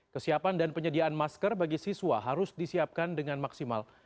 kesiapan dan penyediaan masker bagi siswa harus disiapkan dengan maksimal